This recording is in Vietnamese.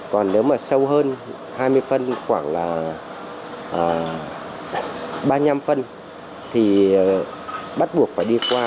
còn nếu mà sâu hơn hai mươi phân khoảng là ba mươi năm phân thì bắt buộc phải đi qua